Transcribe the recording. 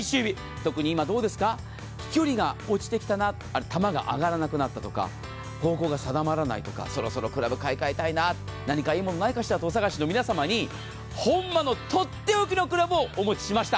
特に今、どうですか、飛距離が落ちてきたな球が上がらなくなったとか、方向が定まらないとかそろそろクラブ買い換えたいな何かいい物ないかしらとお探しの皆様に本間のとっておきのクラブをお持ちしました。